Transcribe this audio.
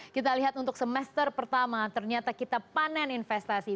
kita lihat untuk semester pertama ternyata kita panen investasi